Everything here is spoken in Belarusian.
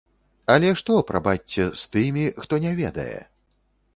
Але што, прабачце, з тымі, хто не ведае?